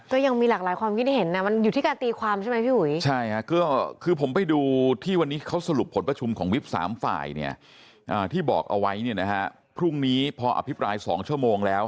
ที่บอกเอาไว้เนี่ยนะฮะพรุ่งนี้พออภิปราย๒ชั่วโมงแล้ว